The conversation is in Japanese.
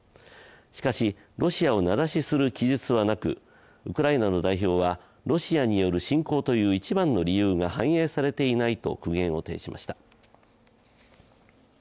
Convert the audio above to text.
しかし、ロシアを名指しする記述はなく、ウクライナの代表はロシアによる侵攻という一番の理由が反映されていないと苦言を呈しました。